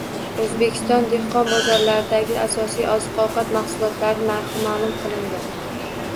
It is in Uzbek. O‘zbekiston dehqon bozorlaridagi asosiy oziq-ovqat mahsulotlari narxi ma’lum qilindi